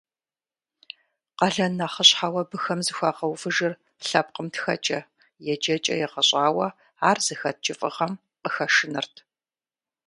Къалэн нэхъыщхьэу абыхэм зыхуагъэувыжыр лъэпкъым тхэкӏэ, еджэкӏэ егъэщӏауэ ар зыхэт кӏыфӏыгъэм къыхэшынырт.